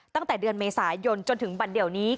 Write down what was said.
ตั้งแต่เดือนเมษายนจนถึงวันเดียวนี้